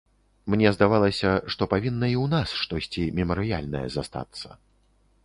Мне здавалася, што павінна і ў нас штосьці мемарыяльнае застацца.